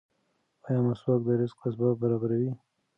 ایا مسواک د رزق اسباب برابروي؟